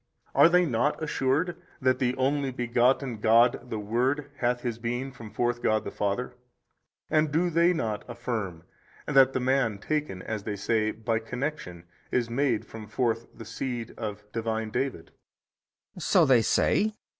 A. Are they not assured that the Only Begotten God the Word hath His Being from forth God the Father and do they not affirm that the man taken (as they say) by connection is made from forth the seed of Divine David? B. So they say.